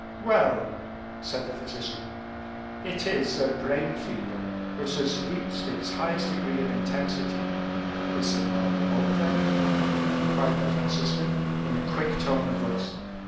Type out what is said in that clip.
"Well," said the physician, "it is a brain fever, which has reached its highest degree of intensity." "There is no hope, then?" inquired the Franciscan, in a quick tone of voice.